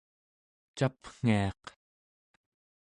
capngiaq